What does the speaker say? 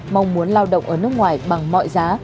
mong muốn lao động ở nước ngoài bằng mọi giá